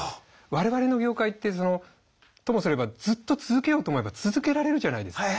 我々の業界ってともすればずっと続けようと思えば続けられるじゃないですか。